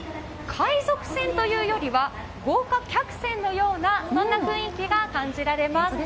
海賊船というよりは豪華客船のようなそんな雰囲気が感じられます。